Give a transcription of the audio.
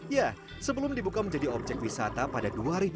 ya sebelum dibuka menjadi objek wisata pada dua ribu dua puluh